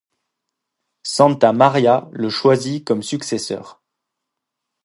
Santa María le choisit comme successeur.